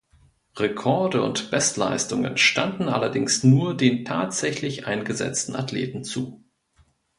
Rekorde und Bestleistungen standen allerdings nur den tatsächlich eingesetzten Athleten zu.